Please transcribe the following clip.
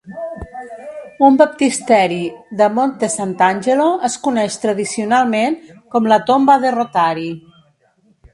Un baptisteri de Monte Sant'Angelo es coneix tradicionalment com la "Tomba de Rothari".